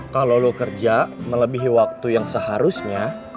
kalau lo kerja melebihi waktu yang seharusnya